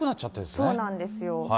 そうなんですよ。